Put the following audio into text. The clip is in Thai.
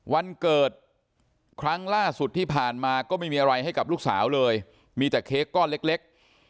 วันเกิดครั้งล่าสุดที่ผ่านมาก็ไม่มีอะไรให้กับลูกสาวเลยมีแต่เค้กก้อนเล็ก